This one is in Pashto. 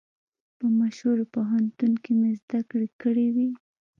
په مشهورو پوهنتونو کې مې زده کړې کړې وې.